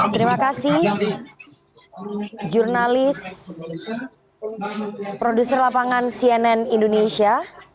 terima kasih jurnalis produser lapangan cnn indonesia